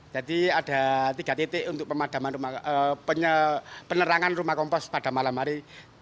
jadi ada tiga titik untuk penerangan rumah kompos pada malam hari